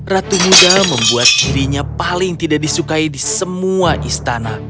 ratu muda membuat dirinya paling tidak disukai di semua istana